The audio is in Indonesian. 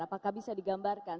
apakah bisa digambarkan